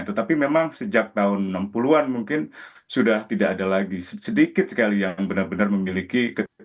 tetapi memang sejak tahun enam puluh an mungkin sudah tidak ada lagi sedikit sekali yang benar benar memiliki